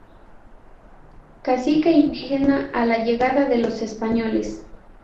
Cacique indígena a la llegada de los españoles.